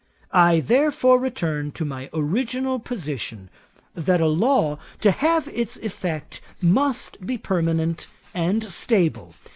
'I therefore return to my original position, that a law, to have its effect, must be permanent and stable.